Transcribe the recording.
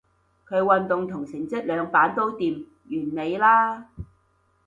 佢運動同成績兩瓣都掂，完美啦